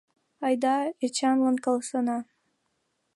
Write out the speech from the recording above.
Айда Эчанлан каласена.